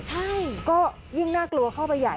ใช่ก็ยิ่งน่ากลัวเข้าไปใหญ่